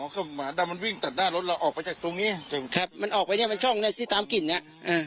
อ๋อเข้ามาดับมันวิ่งตัดหน้ารถเราออกไปจากตรงนี้ครับมันออกไปเนี่ยมันช่องในที่ตามกลิ่นน่ะเออ